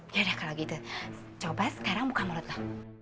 yaudah kalau gitu coba sekarang buka mulut lo